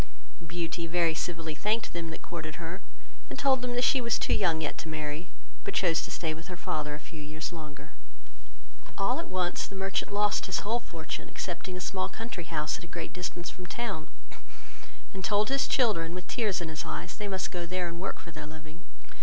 Beauty very civilly thanked them that courted her, and told them she was too young yet to marry, but chose to stay with her father a few years longer. All at once the merchant lost his whole fortune, excepting a small country house at a great distance from town, and told his children, with tears in his eyes, they most go there and work for their living.